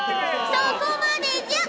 そこまでじゃ！